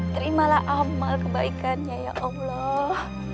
terimalah amal kebaikannya ya allah